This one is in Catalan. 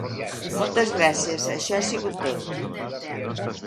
Moltes gràcies, això ha sigut tot!